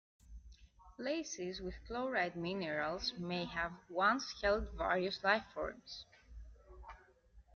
Places with chloride minerals may have once held various life forms.